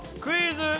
クイズ。